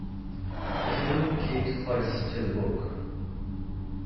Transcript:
The film keeps close to the book.